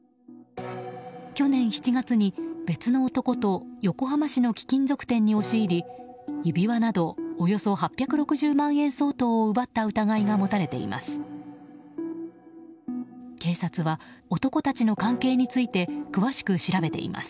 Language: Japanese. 去年７月に別の男と横浜市の貴金属店に押し入り指輪などおよそ８６０万円相当を奪った疑いが持たれています。